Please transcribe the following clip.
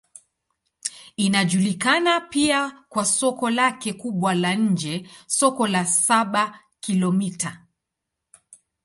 Inajulikana pia kwa soko lake kubwa la nje, Soko la Saba-Kilomita.